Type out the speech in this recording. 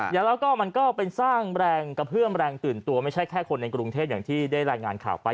แล้วก็มันก็เป็นสร้างแรงกระเพื่อมแรงตื่นตัวไม่ใช่แค่คนในกรุงเทพอย่างที่ได้รายงานข่าวไป